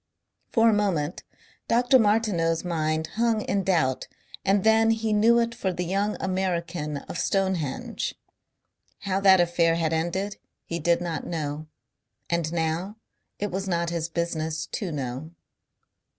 For a moment Dr. Martineau's mind hung in doubt and then he knew it for the young American of Stonehenge. How that affair had ended he did not know. And now it was not his business to know.